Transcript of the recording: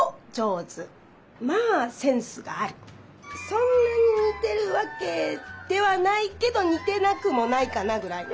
そんなににてるわけではないけどにてなくもないかなぐらいな。